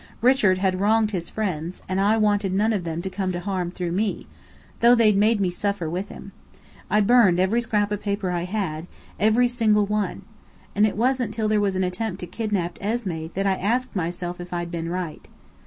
Richard had wronged his friends, and I wanted none of them to come to harm through me, though they'd made me suffer with him. I burned every scrap of paper I had, every single one! And it wasn't till there was an attempt to kidnap Esmé that I asked myself if I'd been right.